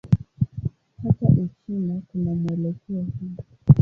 Hata Uchina kuna mwelekeo huu.